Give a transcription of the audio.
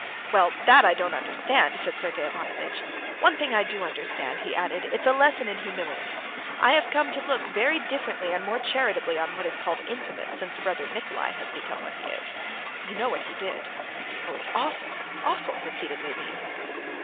"Well, that I don't understand," said Sergey Ivanovitch. "One thing I do understand," he added; "it's a lesson in humility. I have come to look very differently and more charitably on what is called infamous since brother Nikolay has become what he is ... you know what he did...." "Oh, it's awful, awful!" repeated Levin.